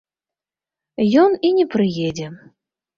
Ён і не прыедзе.